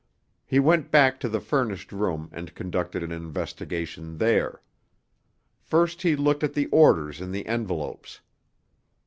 He went back to the furnished room and conducted an investigation there. First he looked at the orders in the envelopes.